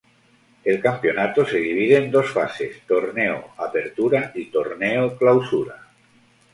El campeonato se divide en dos fases: Torneo Apertura y Torneo Clausura.